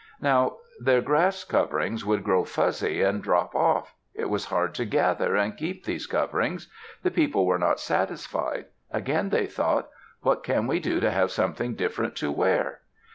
Now their grass coverings would grow fuzzy and drop off. It was hard to gather and keep these coverings. The people were not satisfied. Again they thought, "What can we do to have something different to wear?"